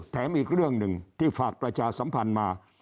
อีกเรื่องหนึ่งที่ฝากประชาสัมพันธ์มา